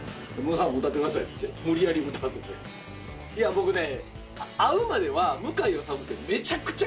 僕ね。